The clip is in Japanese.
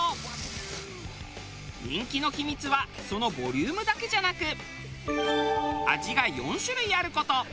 人気の秘密はそのボリュームだけじゃなく味が４種類ある事。